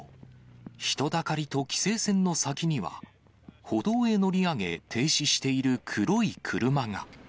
人だかりと規制線の先には、歩道へ乗り上げ停止している黒い車が。